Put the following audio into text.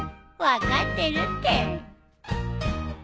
分かってるって。